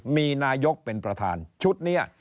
มีนายกเป็นประธานชุดนี้